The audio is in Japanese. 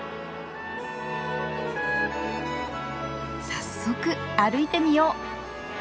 早速歩いてみよう！